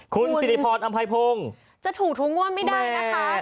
คุณสิริพรอำภัยพุงจะถูกถูกงวดไม่ได้นะคะ